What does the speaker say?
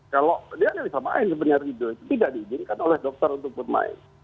kalau dia tidak bisa main tidak diizinkan oleh dokter untuk bermain